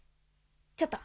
ちょっと。